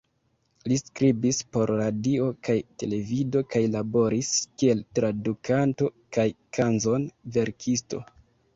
Li skribis por radio kaj televido kaj laboris kiel tradukanto kaj kanzon-verkisto.